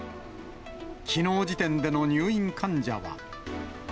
きのう時点での入院患者は。